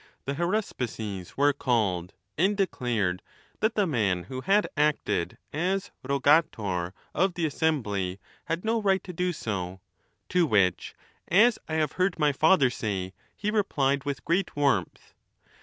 The haruspices were called, and declared that the man who had acted as Rogator of the assembly had no right to do so ; to which, as I have heard my father say, he replied with great warmth.